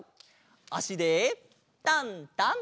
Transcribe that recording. あしでタンタン！